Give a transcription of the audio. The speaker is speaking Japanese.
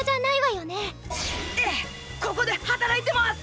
ここで働いてます！